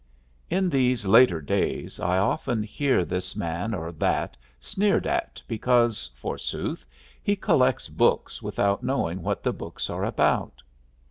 In these later days I often hear this man or that sneered at because, forsooth, he collects books without knowing what the books are about.